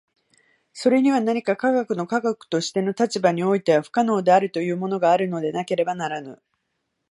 それには何か科学の科学としての立場においては不可能であるというものがあるのでなければならぬ。